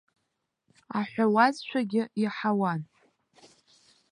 Аҳәауазшәагьы иаҳауан.